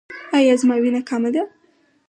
ایا زما وینه کمه ده؟